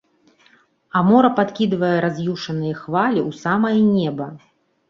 А мора падкідвае раз'юшаныя хвалі ў самае неба.